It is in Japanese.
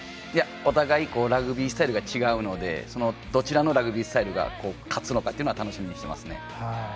お互いラグビースタイルが違うのでそのどちらのラグビースタイルが勝つのかというのは楽しみにしていますね。